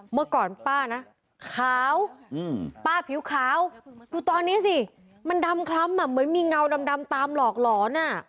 เมื่อก่อนป้านะขาวป้าผิวขาวดูตอนนี้สิมันดำคล้ำเหมือนมีเงาดำตามหลอกหลอน